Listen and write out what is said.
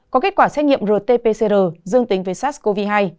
có kết quả xét nghiệm rt pcr dương tính với sars cov hai